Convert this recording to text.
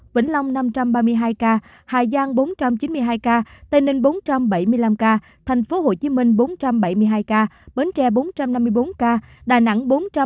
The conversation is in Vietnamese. vĩnh long năm trăm ba mươi hai ca hà giang bốn trăm chín mươi hai ca tây ninh bốn trăm bảy mươi năm ca thành phố hồ chí minh bốn trăm bảy mươi hai ca bến tre bốn trăm năm mươi bốn ca đà nẵng bốn trăm năm mươi bốn ca